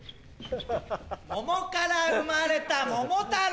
桃から産まれた桃太郎！